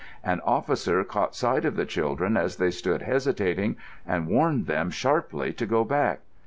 An officer caught sight of the children as they stood hesitating, and warned them sharply to go back.